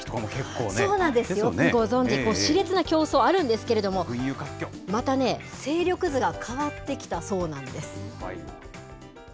そうなんです、よくご存じ、競争あるんですけれども、またね、勢力図が変わってきたそうなんです。